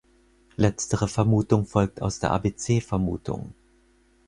Letztere Vermutung folgt aus der abc-Vermutung.